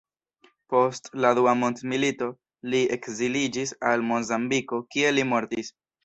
Post la Dua Mondmilito, li ekziliĝis al Mozambiko, kie li mortis.